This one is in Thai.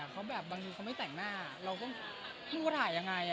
เขาแบบบางทีเขาไม่แต่งหน้าเราก็ไม่รู้ว่าถ่ายยังไง